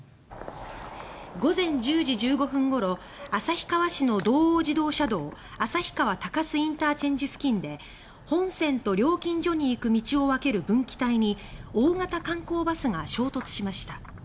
午前１０時１５分頃旭川市の道央自動車道旭川鷹栖ＩＣ付近で本線と料金所に行く道を分ける分岐帯に大型観光バスが衝突しました。